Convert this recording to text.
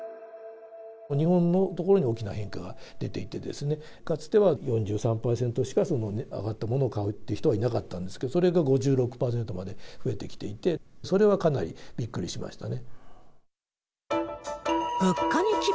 日本のところに大きな変化が出ていて、かつては４３％しか上がったものを買うって人はいなかったんですけど、それが５６％まで増えてきていて、それはかなりびっくりしましたね。